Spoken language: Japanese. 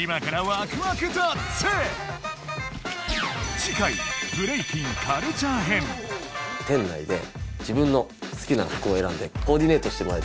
次回店内で自分の好きな服をえらんでコーディネートしてもらいたいと思います。